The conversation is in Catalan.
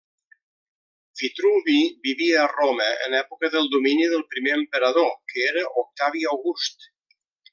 Vitruvi vivia a Roma, en època del domini del primer emperador, que era Octavi August.